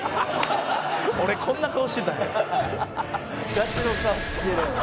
「ガチの顔してる」